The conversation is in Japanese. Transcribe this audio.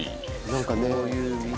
何かね。